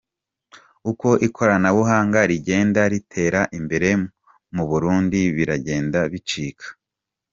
Uko ikoranabuhanga rigenda ritera imbere Muburundi biragenda bicika